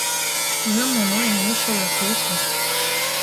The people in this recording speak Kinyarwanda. Niwe muntu wenyine ushobora kubikora.